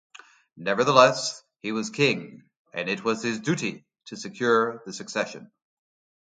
Nevertheless, he was King and it was his duty to secure the succession.